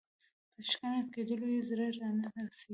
په شکنجه کېدلو یې زړه نه سړیږي.